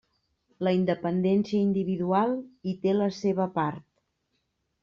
La independència individual hi té la seva part.